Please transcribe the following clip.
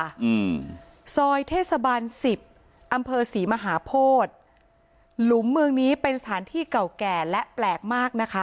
อืมซอยเทศบาลสิบอำเภอศรีมหาโพธิหลุมเมืองนี้เป็นสถานที่เก่าแก่และแปลกมากนะคะ